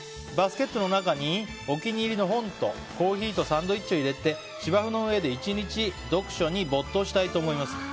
バスケットの中にお気に入りの本とコーヒーとサンドイッチを入れて芝生の上で１日読書に没頭したいと思います。